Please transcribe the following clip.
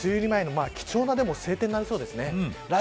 梅雨入り前の貴重な晴天になりそうですね。